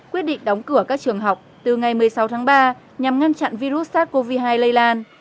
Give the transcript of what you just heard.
quyết định đóng cửa các trường học từ ngày một mươi sáu tháng ba nhằm ngăn chặn virus sars cov hai lây lan